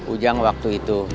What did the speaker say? ujang waktu itu